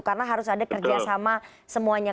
karena harus ada kerjasama semuanya